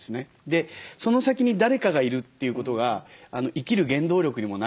でその先に誰かがいるということが生きる原動力にもなると思うんですよ。